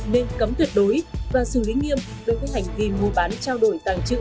nên cấm tuyệt đối và xử lý nghiêm đối với hành vi mua bán trao đổi tàng trữ